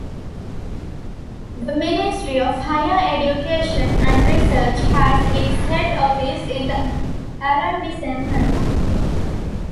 The Ministry of Higher Education and Research has its head office in the arrondissement.